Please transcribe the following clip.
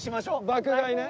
爆買いね。